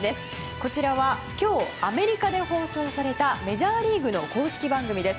こちらは今日アメリカで放送されたメジャーリーグの公式番組です。